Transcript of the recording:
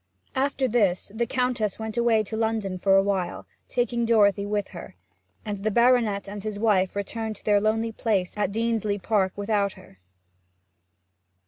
After this, the Countess went away to London for a while, taking Dorothy with her; and the baronet and his wife returned to their lonely place at Deansleigh Park without her.